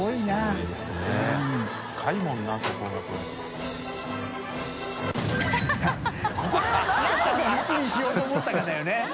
海譴魏燭任３つにしようと思ったかだよね？